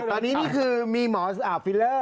ตอนนี้นี่คือมีหมอบฟิลเลอร์